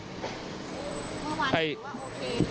เมื่อวานว่าอบแปด